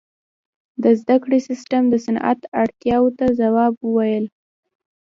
• د زدهکړې سیستم د صنعت اړتیاو ته ځواب وویل.